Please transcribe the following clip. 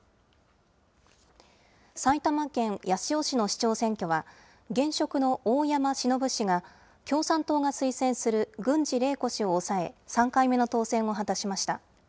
埼玉県八潮市の市長選挙は、現職の大山忍氏が、共産党が推薦する郡司伶子氏を抑え、３回目の当選を果たしました。